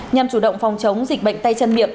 nhằm chủ động phòng chống dịch bệnh tay chân miệng